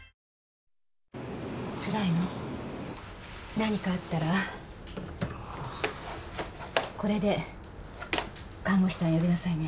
何かあったらこれで看護師さん呼びなさいね。